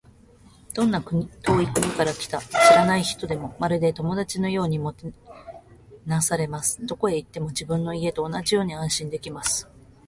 どんな遠い国から来た知らない人でも、まるで友達のようにもてなされます。どこへ行っても、自分の家と同じように安心できます。